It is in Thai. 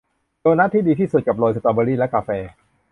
โดนัทที่ดีที่สุดกับโรยสตรอเบอร์รี่และกาแฟ